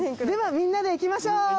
ではみんなで行きましょう。